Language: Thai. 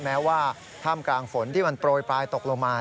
แม้ว่าท่ามกลางฝนที่มันโปรยปลายตกลงมา